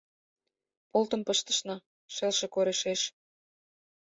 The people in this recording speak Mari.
Полтым пыштышна шелше корешеш